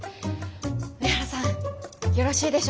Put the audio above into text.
上原さんよろしいでしょうか？